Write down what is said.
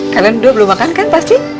kalian berdua belum makan kan pasti